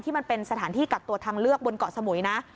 มันเป็นสถานที่กักตัวทางเลือกบนเกาะสมุยนะ